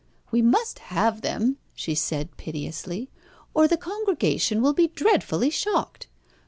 "We must have them," she said piteously, "or the congregation will be dreadfully shocked.